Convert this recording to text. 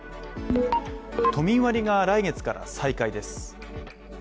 都民割が来月から再開です。